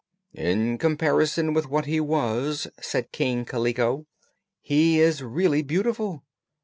"In comparison with what he was," said King Kaliko, "he is really beautiful.